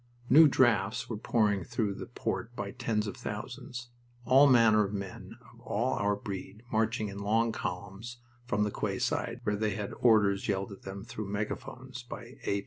New "drafts" were pouring through the port by tens of thousands all manner of men of all our breed marching in long columns from the quayside, where they had orders yelled at them through megaphones by A.